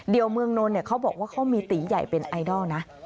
เมืองนนท์เขาบอกว่าเขามีตีใหญ่เป็นไอดอลนะ